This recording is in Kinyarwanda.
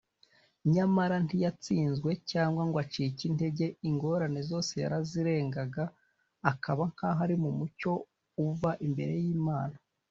. Nyamara ntiyatsinzwe cyangwa ngo acike intege. Ingorane zose yarazirengaga, akaba nkaho ari mu mucyo uva imbere y’Imana.